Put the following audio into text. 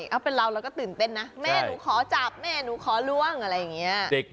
เอาเป็นเราเราก็ตื่นเต้นนะแม่หนูขอจับแม่หนูขอล่วงอะไรอย่างนี้